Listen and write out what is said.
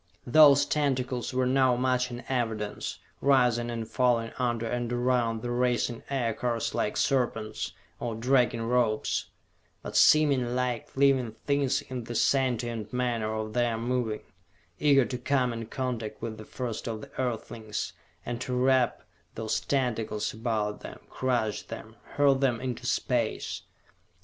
Those tentacles were now much in evidence, rising and falling under and around the racing Aircars like serpents, or dragging ropes; but seeming like living things in the sentient manner of their moving eager to come in contact with the first of the earthlings, and to wrap those tentacles about them, crush them, hurl them into space.